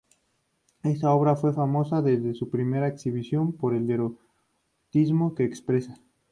Esta obra fue famosa, desde su primera exhibición, por el erotismo que expresa.